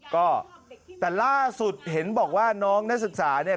ก็แต่ล่าสุดเห็นบอกว่าน้องนักศึกษาเนี่ย